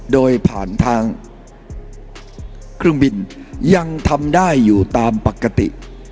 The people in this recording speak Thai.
โดยผ่านทางเครื่องบินยังทำได้อยู่ตามปกติ